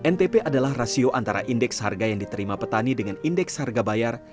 ntp adalah rasio antara indeks harga yang diterima petani dengan indeks harga bayar